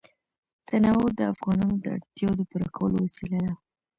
تنوع د افغانانو د اړتیاوو د پوره کولو وسیله ده.